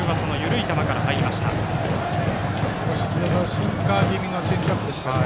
シンカー気味のチェンジアップですね